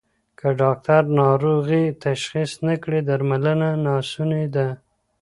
که ډاکټر ناروغي تشخیص نه کړي درملنه ناسونې ده.